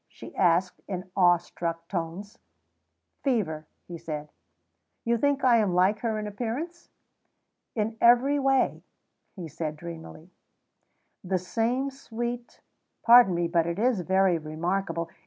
she asked in awe struck tones. "Fever," he said. "You think I am like her in appearance?" "In every way," he said dreamily; "the same sweet pardon me, but it is very remarkable.